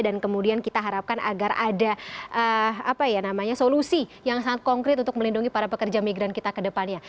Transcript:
dan kemudian kita harapkan agar ada apa ya namanya solusi yang sangat konkret untuk melindungi para pekerja migran kita kedepannya